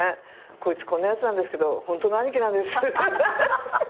「こいつこんなやつなんですけどホントの兄貴なんです」